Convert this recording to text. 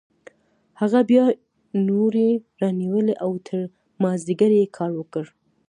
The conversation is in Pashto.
هغه بیا نورې رانیولې او تر مازدیګره یې کار وکړ